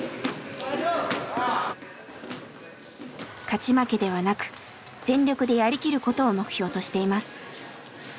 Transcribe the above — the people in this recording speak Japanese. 勝ち負けではなく全力でやりきることを目標としています。